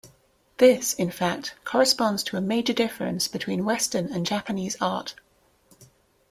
This, in fact, corresponds to a major difference between Western and Japanese art.